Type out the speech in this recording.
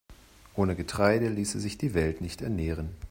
Ohne Getreide ließe sich die Welt nicht ernähren.